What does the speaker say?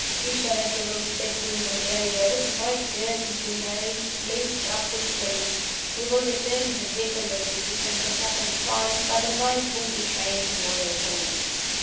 You shall have your old bedroom, Valeria, with the white curtains, you know, looped up with blue! We will return to the Vicarage (if you can get up in time) by the nine forty train to morrow morning."